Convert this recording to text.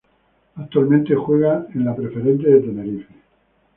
Actualmente juega en la Preferente de Tenerife.